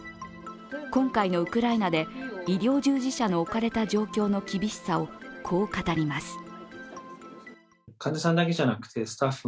今回のウクライナで医療従事者の置かれた状況の厳しさをこう語ります。